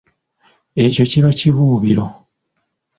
Ekyo kiba kibubiro.